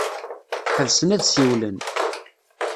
Ḥebsen ad ssiwlen.